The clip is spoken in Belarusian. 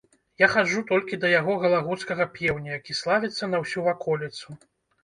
Я хаджу толькі да яго галагуцкага пеўня, які славіцца на ўсю ваколіцу.